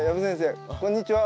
こんにちは。